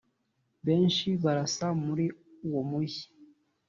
benshi barasa muri uwo mujyi